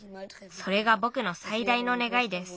それがぼくのさいだいのねがいです。